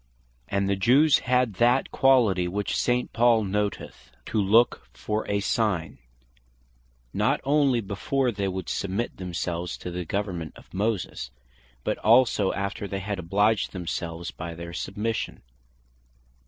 And the Jews had that quality which St. Paul noteth, "to look for a sign," not onely before they would submit themselves to the government of Moses, but also after they had obliged themselves by their submission.